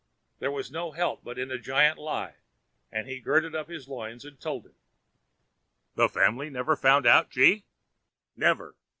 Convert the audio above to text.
There was no help but in a giant lie, and he girded up his loins and told it. 'The family never found out, G— ?' 'Never.